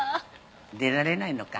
出られないのか。